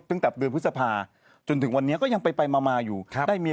พลิกต๊อกเต็มเสนอหมดเลยพลิกต๊อกเต็มเสนอหมดเลย